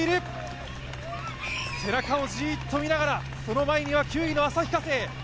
背中をじっと見ながらその前に９位の旭化成。